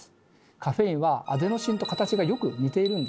カフェインはアデノシンと形がよく似ているんですね。